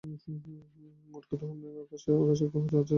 মোটকথা, আকাশে যেসব গ্রহ আছে, তন্মধ্যে কিছু হলো গতিশীল।